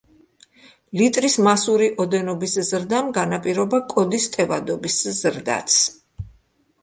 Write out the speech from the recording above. ლიტრის მასური ოდენობის ზრდამ განაპირობა კოდის ტევადობის ზრდაც.